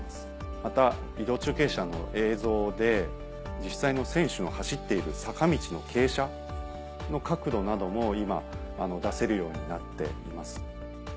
また移動中継車の映像で実際の選手の走っている坂道の傾斜の角度なども今出せるようになっています。